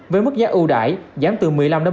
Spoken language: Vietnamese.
với mức giá ưu đại giảm từ một mươi năm bốn mươi